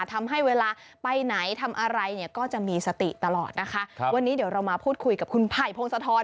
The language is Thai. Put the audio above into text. ทำให้เวลาไปไหนทำอะไรคือก็มีสติตลอดวันนี้เดี๋ยวเรามาพูดคุยกับคุณไผ่พงศธร